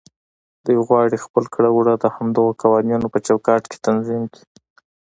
دوی غواړي خپل کړه وړه د همدغو قوانينو په چوکاټ کې تنظيم کړي.